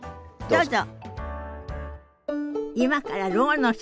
どうぞ。